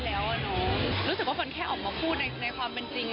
มันก็ดีกว่าเราออกมาแบบพูดโกหกให้ความหวัง